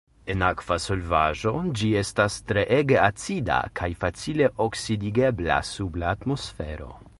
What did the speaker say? En akva solvaĵo ĝi estas treege acida kaj facile oksidigebla sub la atmosfero.